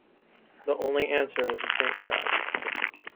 The only answer was a faint cry.